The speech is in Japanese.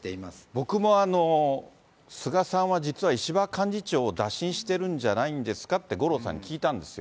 僕も、菅さんは実は石破幹事長を打診してるんじゃないんですかって、五郎さんに聞いたんですよ。